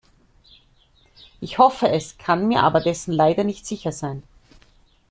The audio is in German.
Ich hoffe es, kann mir aber dessen leider nicht sicher sein.